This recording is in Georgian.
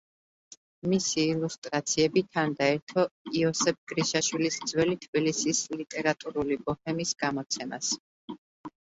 მისი ილუსტრაციები თან დაერთო იოსებ გრიშაშვილის „ძველი თბილისის ლიტერატურული ბოჰემის“ გამოცემას.